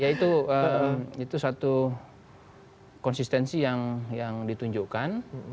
ya itu satu konsistensi yang ditunjukkan